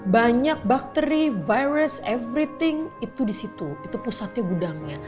banyak bakteri virus everything itu disitu itu pusatnya gudangnya